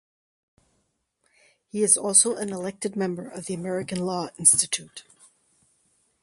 He is also an elected member of the American Law Institute.